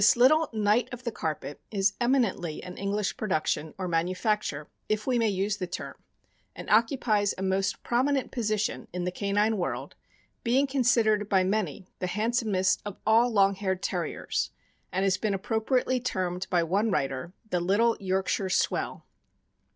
little knight of the carpet is eminently an English production, or manufacture, if we may use the term, and occupies a most prominent position in the canine world, being consider d by many the handsomest of all long haired Terriers, and has been appropriately termed by one writer "the little Yorkshire swell."